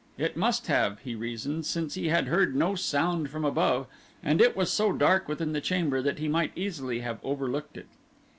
It must have, he reasoned, since he had heard no sound from above and it was so dark within the chamber that he might easily have overlooked it.